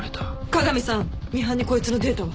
加賀美さんミハンにこいつのデータは？